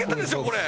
これ。